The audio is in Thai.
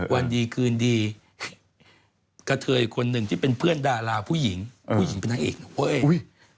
วันดีคืนดีกระเทยอีกคนหนึ่งที่เป็นเพื่อนดาราผู้หญิงผู้หญิงเป็นนางเอกโอ้ยอุ้ย